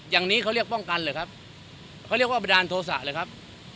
อย่างนี้เขาเรียกป้องกันเหรอครับเขาเรียกว่าบันดาลโทษะเลยครับ